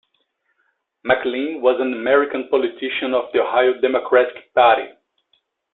McLin, was an American politician of the Ohio Democratic party.